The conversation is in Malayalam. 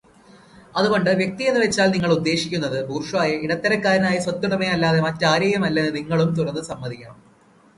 അതുകൊണ്ട് 'വ്യക്തി' എന്നുവെച്ചാൽ നിങ്ങൾ ഉദ്ദേശിക്കുന്നത് ബൂർഷ്വായെ, ഇടത്തരക്കാരനായ സ്വത്തുടമയെ, അല്ലാതെ മറ്റാരെയുമല്ലെന്നു നിങ്ങളും തുറന്നു സമ്മതിക്കണം.